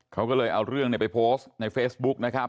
เขาก็เลยเอาเรื่องไปโพสต์ในเฟซบุ๊กนะครับ